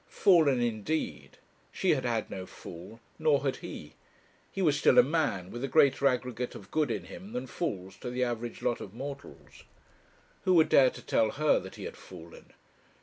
Fallen indeed! She had had no fall; nor had he; he was still a man, with a greater aggregate of good in him than falls to the average lot of mortals. Who would dare to tell her that he had fallen?